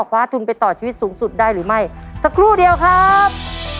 คว้าทุนไปต่อชีวิตสูงสุดได้หรือไม่สักครู่เดียวครับ